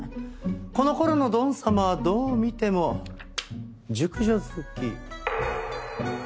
この頃のドン様はどう見ても熟女好き。